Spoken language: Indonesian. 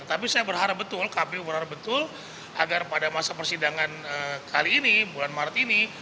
tapi saya berharap betul kpu berharap betul agar pada masa persidangan kali ini bulan maret ini